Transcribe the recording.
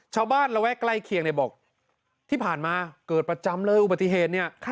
ชาวบ้านเราแวะใกล้เคียงเลยบอกที่ผ่านมาเกิดประจำเลยอุบัติเหตุนี้